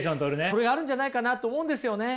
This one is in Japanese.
それあるんじゃないかなと思うんですよね。